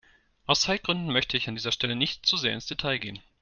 Aus Zeitgründen möchte ich an dieser Stelle nicht zu sehr ins Detail gehen.